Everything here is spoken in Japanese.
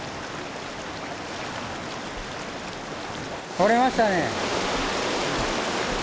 とれましたね。